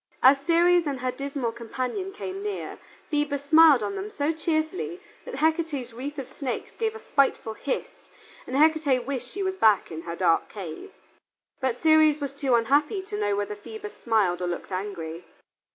As Ceres and her dismal companion came near, Phoebus smiled on them so cheerfully that Hecate's wreath of snakes gave a spiteful hiss and Hecate wished she was back in her dark cave. But Ceres was too unhappy to know whether Phoebus smiled or looked angry.